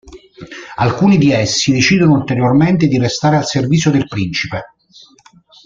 Alcuni di essi decidono ulteriormente di restare al servizio del principe.